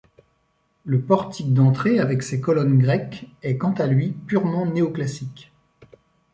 Le portique d'entrée avec ses colonnes grecques est quant à lui purement néoclassique.